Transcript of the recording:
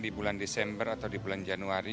di bulan desember atau di bulan januari